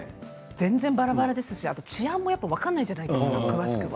全然バラバラだし治安も分からないじゃないですか